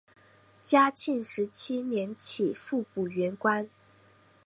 嘉庆十七年起复补原官。